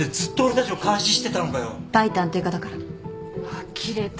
あきれた。